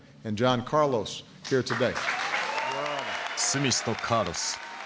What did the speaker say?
スミスとカーロス。